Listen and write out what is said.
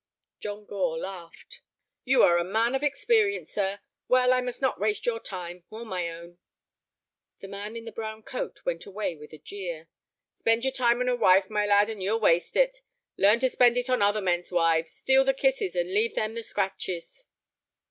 John Gore laughed. "You are a man of experience, sir. Well, I must not waste your time—or my own." The man in the brown coat went away with a jeer. "Spend your time on a wife, my lad, and you'll waste it. Learn to spend it on other men's wives—steal the kisses, and leave them the scratches."